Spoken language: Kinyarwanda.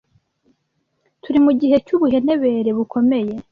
Turi mu gihe cy’ubuhenebere bukomeye.